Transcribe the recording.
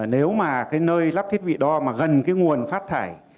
nếu mà cái nơi lắp thiết bị đo mà gần cái nguồn phát thải